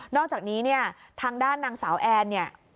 นอกจากนี้ทางด้านนางสาวแอน